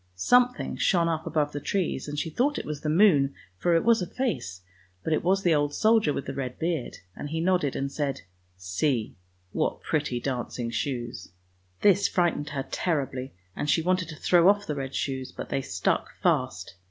Something shone up THE RED SHOES 6s above the trees, and she thought it was the moon, for it was a face, but it was the old soldier with the red beard, and he nodded and said, " See what pretty dancing shoes! " This frightened her terribly and she wanted to throw off the red shoes, but they stuck fast.